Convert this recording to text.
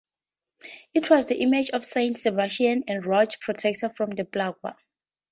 It was the image of Saints Sebastian and Roch, protector from the plague.